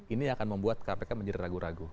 ini akan membuat kpk menjadi ragu ragu